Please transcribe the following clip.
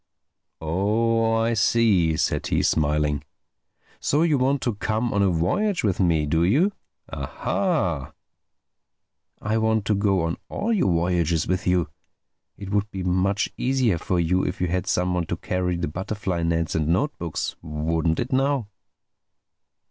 "Oh, I see," said he, smiling. "So you want to come on a voyage with me, do you?—Ah hah!" "I want to go on all your voyages with you. It would be much easier for you if you had someone to carry the butterfly nets and note books. Wouldn't it now?"